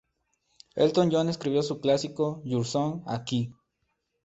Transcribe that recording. Elton John escribió su clásico "Your Song" aquí.